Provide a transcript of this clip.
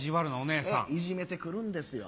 いじめて来るんですよ。